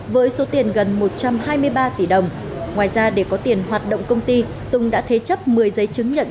với số tiền gần một trăm hai mươi ba tỷ đồng ngoài ra để có tiền hoạt động công ty tùng đã thế chấp một mươi giấy chứng nhận